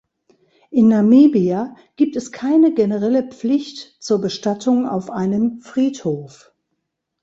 In Namibia gibt es keine generelle Pflicht zur Bestattung auf einem Friedhof.